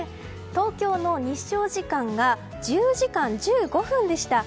東京の日照時間が１０時間１５分でした。